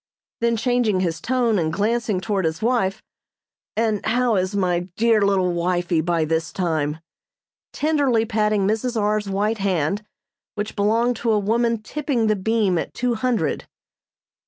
Then changing his tone and glancing toward his wife: "And how is my dear little wifey by this time?" tenderly patting Mrs. R.'s white hand, which belonged to a woman tipping the beam at two hundred.